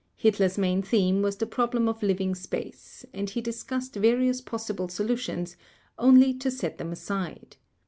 Hitler's main theme was the problem of living space, and he discussed various possible solutions, only to set them aside.